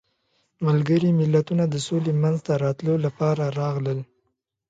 ملګري ملتونه د سولې منځته راتلو لپاره راغلل.